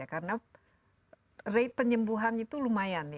karena rate penyembuhan itu lumayan